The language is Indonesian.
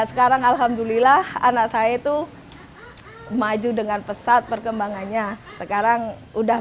sekarang alhamdulillah anak saya itu maju dengan pesat perkembangannya sekarang udah